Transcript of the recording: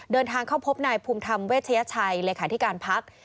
เดินทางเข้าพบนายภูมิธรรมเวชยชัยเลขาธิการพัก